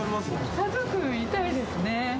家族みたいですね。